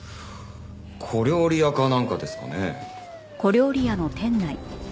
小料理屋かなんかですかね？